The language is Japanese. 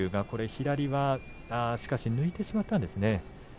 左を抜いてしまったんですね。